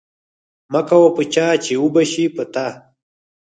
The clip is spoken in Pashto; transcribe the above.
مه کوه په چا چی اوبه شی په تا.